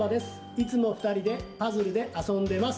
いつもふたりでパズルであそんでます。